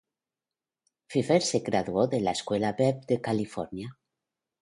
Pfeffer se graduó de la escuela Webb de California.